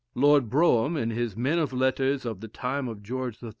Lord Brougham, in his "Men of Letters of the Time of George III.."